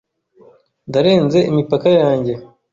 Ndarenze imipaka yanjye.